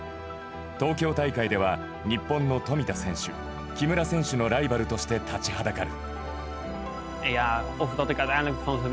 東京大会では日本の富田選手、木村選手のライバルとして立ちはだかる。